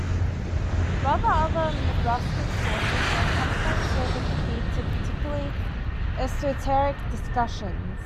Rather, other midrashic sources may sometimes serve as a key to particularly esoteric discussions.